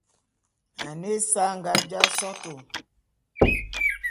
Ane ésa anga jaé sotô.